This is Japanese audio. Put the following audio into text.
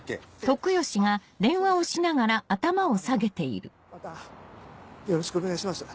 あのまたよろしくお願いします。